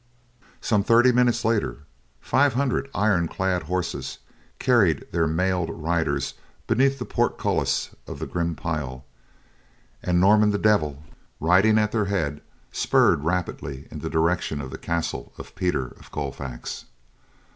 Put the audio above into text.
Some thirty minutes later, five hundred iron clad horses carried their mailed riders beneath the portcullis of the grim pile, and Norman the Devil, riding at their head, spurred rapidly in the direction of the castle of Peter of Colfax.